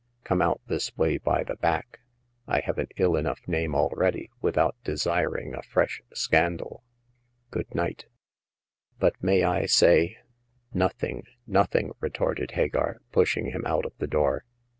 Come out this way by the back. I have an ill enough name already, without desiring a fresh scandal. Good night." But may I say " 52 Hagar of the Pawn Shop. Nothing, nothing !" retorted Hagar, pushing him out of the door.